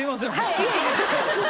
いえいえ。